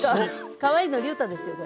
かわいいのりゅうたですよね。